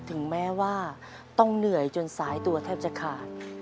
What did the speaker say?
ถึงแม้ว่าต้องเหนื่อยจนสายตัวแทบจะขาด